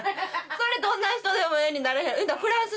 それどんな人でもええになれへん。